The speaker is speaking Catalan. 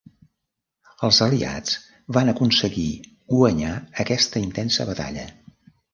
Els aliats van aconseguir guanyar aquesta intensa batalla.